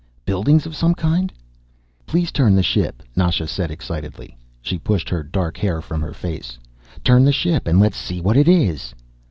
Buildings of some kind? "Please turn the ship," Nasha said excitedly. She pushed her dark hair from her face. "Turn the ship and let's see what it is!"